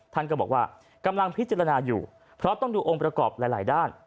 ท่านก็บอกว่ากำลังพิจารณาอยู่เพราะต้องดูองค์ประกอบหลายด้าน